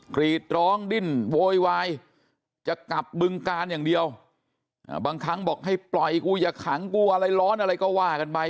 กรีดร้องดิ้นโวยวายจะกลับบึงกาลอย่างเดียวบางครั้งบอกให้ปล่อยกูอย่าขังกูอะไรร้อนอะไรก็ว่ากันไป